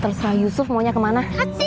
terus kak yusuf maunya ke mana